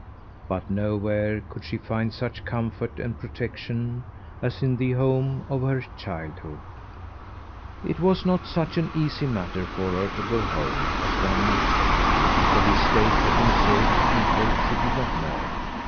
But nowhere could she find such comfort and protection as in the home of her childhood. It was not such an easy matter for her to go home as one might think, for the estate had been sold to people she did not know.